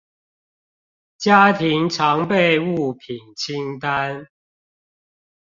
家庭常備物品清單